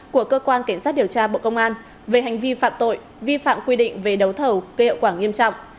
của cơ quan cảnh sát điều tra bộ công an về hành vi phạm tội vi phạm quy định về đấu thầu cơ hiệu quảng nghiêm trọng